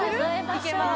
いけます